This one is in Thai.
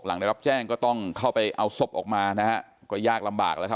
หลังได้รับแจ้งก็ต้องเข้าไปเอาศพออกมานะฮะก็ยากลำบากแล้วครับ